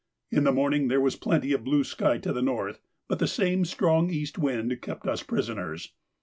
In the morning there was plenty of blue sky to the north, but the same strong east wind kept us prisoners.